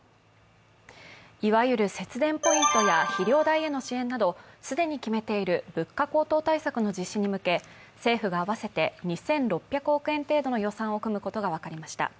いわゆる節電ポイントや肥料代への支援など既に決めている物価高騰対策の実施に向け、政府が合わせて、２６００億円程度の予算を組むことが分かりました。